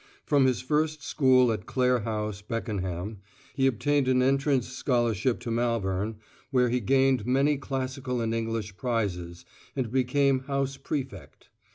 From his first school at Clare House, Beckenham, he obtained an entrance scholarship to Malvern, where he gained many Classical and English prizes and became House Prefect.